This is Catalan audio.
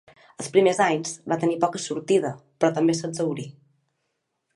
Els primers anys va tenir poca sortida, però també s'exhaurí.